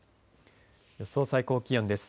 予想最高気温です。